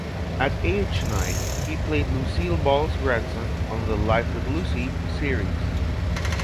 At age nine, he played Lucille Ball's grandson on the "Life With Lucy" series.